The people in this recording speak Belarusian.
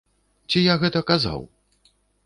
Ці я гэта казаў?!